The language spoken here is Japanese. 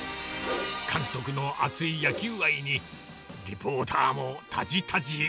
監督の熱い野球愛に、リポーターもたじたじ。